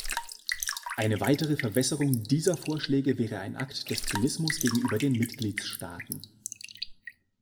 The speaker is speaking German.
Eine weitere Verwässerung dieser Vorschläge wäre ein Akt des Zynismus gegenüber den Mitgliedstaaten.